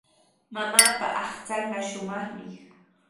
Mamaapa aqchanqa shumaqmi.